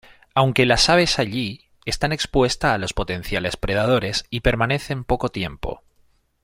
Aunque las aves allí están expuestas a los potenciales predadores y permanecen poco tiempo.